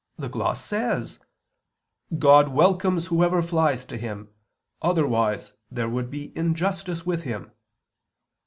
the gloss says: "God welcomes whoever flies to Him, otherwise there would be injustice with Him."